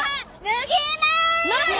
脱ぎまーす！